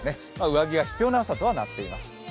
上着が必要な朝とはなっています。